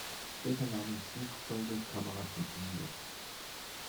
Später nahmen Flugzeuge Kameras mit in die Luft.